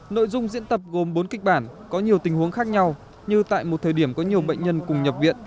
nội dung diễn tập gồm bốn kịch bản có nhiều tình huống khác nhau như tại một thời điểm có nhiều bệnh nhân cùng nhập viện